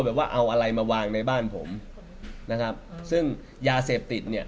ว่าเอาอะไรมาวางในบ้านผมนะครับซึ่งยาเสพติดเนี่ย